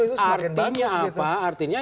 itu semakin bagus artinya apa artinya